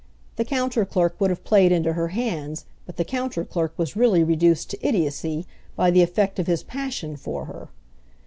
The counter clerk would have played into her hands; but the counter clerk was really reduced to idiocy by the effect of his passion for her.